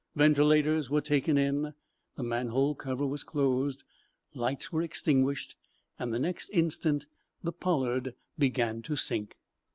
Ventilators were taken in, the manhole cover was closed, lights were extinguished, and, the next instant, the "Pollard" began to sink.